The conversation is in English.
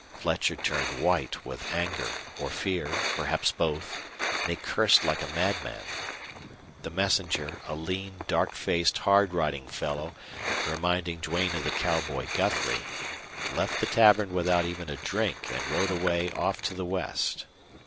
Fletcher turned white with anger or fear, perhaps both, and he cursed like a madman. The messenger, a lean, dark faced, hard riding fellow reminding Duane of the cowboy Guthrie, left the tavern without even a drink and rode away off to the west.